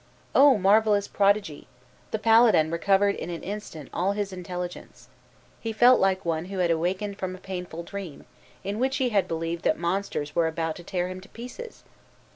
O marvellous prodigy! The paladin recovered in an instant all his intelligence. He felt like one who had awakened from a painful dream, in which he had believed that monsters were about to tear him to pieces.